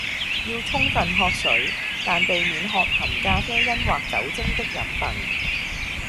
要充分喝水，但避免喝含咖啡因或酒精的飲品